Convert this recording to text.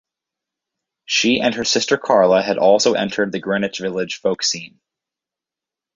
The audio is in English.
She and her sister Carla had also entered the Greenwich Village folk scene.